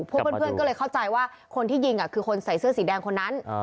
พวกเพื่อนก็เลยเข้าใจว่าคนที่ยิงคือคนใส่เสื้อสีแดงคนนั้น